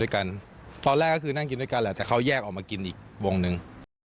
ตอนแรกก็คือนั่งกินด้วยกันแหละแต่เขาแยกออกมากินอีกวงหนึ่ง